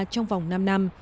trong vòng năm năm